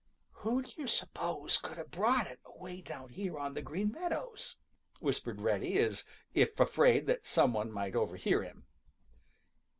"Who do you suppose could have brought it away down here on the Green Meadows?" whispered Reddy, as if afraid that some one might overhear him.